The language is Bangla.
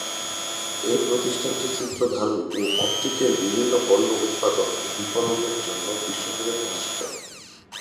এই প্রতিষ্ঠানটি চিত্রধারণ ও অপটিক্যাল বিভিন্ন পণ্য উৎপাদন ও বিপণনের জন্য বিশ্বজুড়ে পরিচিত।